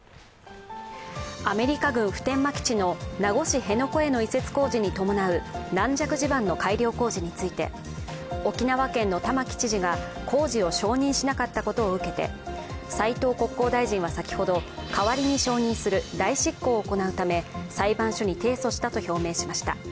アメリカ軍普天間基地の名護市辺野古への移設工事に伴う軟弱地盤の改良工事について沖縄県の玉城知事が工事を承認しなかったことを受けて、斉藤国交大臣は先ほど、代わりに承認する代執行を行うため、裁判所に提訴したと表明しました。